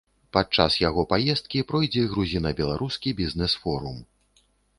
Падчас яго паездкі пройдзе грузіна-беларускі бізнэс-форум.